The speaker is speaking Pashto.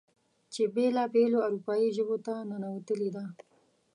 چې بېلا بېلو اروپايې ژبو ته ننوتلې ده.